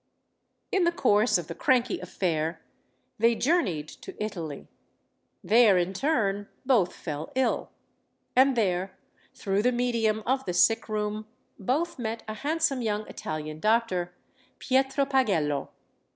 In the course of the cranky affair they journeyed to Italy. There, in turn, both fell ill. And there, through the medium of the sick room, both met a handsome young Italian doctor, Pietro Pagello.